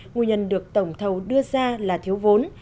nguyên nhân được tổng thầu đưa ra là thiếu vốn